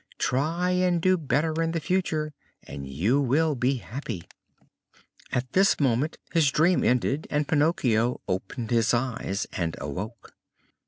Try and do better in the future and you will be happy." At this moment his dream ended and Pinocchio opened his eyes and awoke.